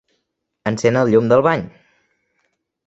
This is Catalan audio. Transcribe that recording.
Encén el llum del bany.